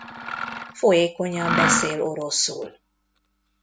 Folyékonyan beszél oroszul.